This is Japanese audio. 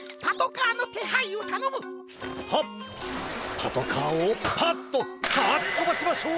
パトカーをパッとカアッとばしましょう！